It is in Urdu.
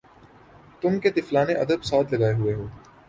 تُم کہ طفلانِ ادب ساتھ لگائے ہُوئے ہو